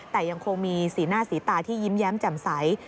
แต่ยังคงมีสีหน้าสีตาที่ยิ้มแย้มแจ่มใส